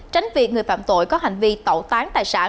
tránh việc người phạm tội có hành vi tẩu tán tài sản